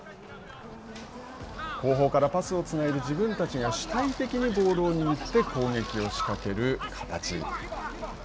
後方からパスをつないで自分たちが主体的にボールを握って攻撃を仕掛ける形。